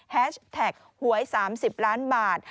แฮชแท็กหวย๓๐ล้านบาท